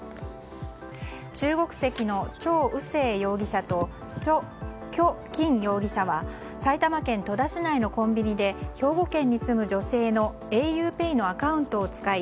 中国籍のチョウ・ウセイ容疑者とキョ・キン容疑者は戸田市内のコンビニで兵庫県に住む女性のａｕＰＡＹのアカウントを使い